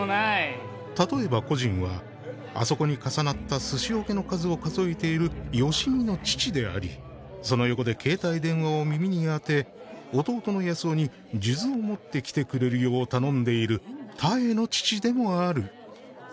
「たとえば故人は、あそこに重なった寿司桶の数を数えている吉美の父であり、その横で携帯電話を耳に当て、弟に数珠を持ってきてくれるよう頼んでいる多恵の父でもある」。